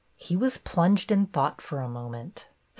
He was plunged in thought for a moment.